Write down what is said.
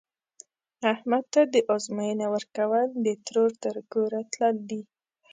احمد ته د ازموینې ورکول، د ترور تر کوره تلل دي.